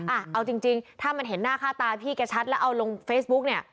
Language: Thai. อ่ะเอาจริงถ้ามันเห็นหน้าค่าตาพี่แกชัดแล้วเอาลงเฟซบุ๊กเนี่ย